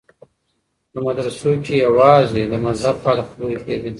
په مدرسو کي يوازې د مذهب په اړه خبري کېدې.